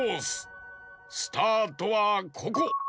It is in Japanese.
スタートはここ。